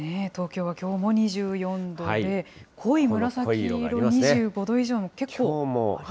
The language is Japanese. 東京はきょうも２４度で、濃い紫色、２５度以上も結構。